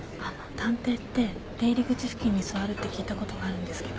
探偵って出入り口付近に座るって聞いたことがあるんですけど。